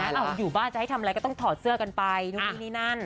อยู่บ้านจะให้ทำอะไรก็ต้องถอดเสื้อกันไปนู่นนี่นี่นั่น